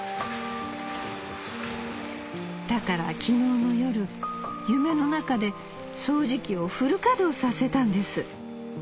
「『だから昨日の夜夢の中で掃除機をフル稼働させたんです。